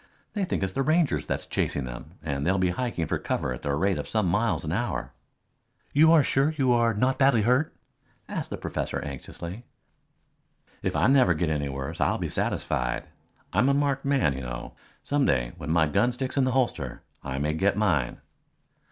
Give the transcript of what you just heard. They think it is the Rangers that's chasing them and they'll be hiking for cover at the rate of some miles an hour." "You are sure you are not badly hurt?" asked the professor anxiously. "If I never get any worse, I'll be satisfied. I'm a marked man, you know. Some day, when my gun sticks in the holster, I may get mine."